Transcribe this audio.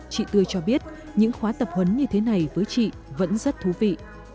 chị tươi cho biết những khóa tập huấn như thế này với chị vẫn rất thú vị